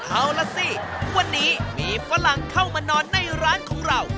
เอาล่ะสิวันนี้มีฝรั่งเข้ามานอนในร้านของเรา